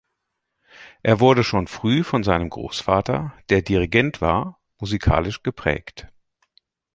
Er wurde schon früh von seinem Großvater, der Dirigent war, musikalisch geprägt.